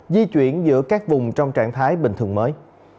di chuyển giữa các vùng trong trạng thái bình thường mới